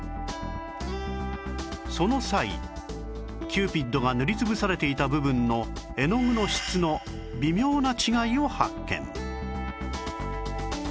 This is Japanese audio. その際キューピッドが塗りつぶされていた部分の絵の具の質の微妙な違いを発見